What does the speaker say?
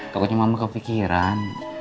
pokoknya mama kepikiran